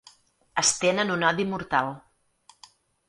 Es tenen un odi mortal.